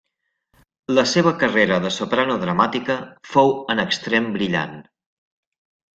La seva carrera de soprano dramàtica fou en extrem brillant.